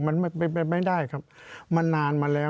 มันเป็นไปไม่ได้ครับมันนานมาแล้ว